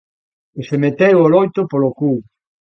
que se meteu o loito polo cu